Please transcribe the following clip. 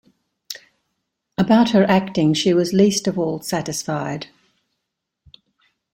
About her acting she was least of all satisfied.